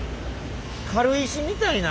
軽石みたいな。